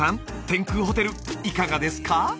天空ホテルいかがですか？